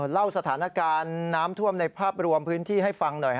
เล่าสถานการณ์น้ำท่วมในภาพรวมพื้นที่ให้ฟังหน่อย